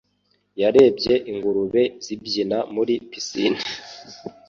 Yarebye ingurube zibyina muri pisine.